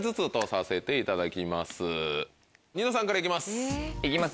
ニノさんから行きます。